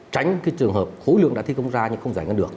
tránh trường hợp khối lượng đã thi công ra nhưng không giải ngân được